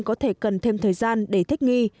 có thể cần thêm thời gian để thích nghi